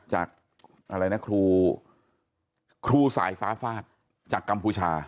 จากครูสายฟ้าฟาดจากกัมพูชา